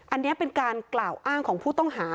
อันนี้เป็นการกล่าวอ้างของผู้ต้องหา